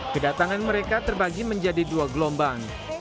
kedatangan mereka terbagi menjadi dua gelombang